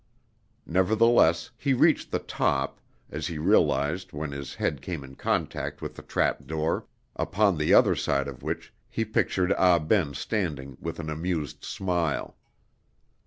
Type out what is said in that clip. Nevertheless he reached the top, as he realized when his head came in contact with the trap door, upon the other side of which he pictured Ah Ben standing with an amused smile.